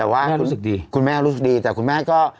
แต่ว่ารู้สึกดีคุณแม่รู้สึกดีแต่คุณแม่ก็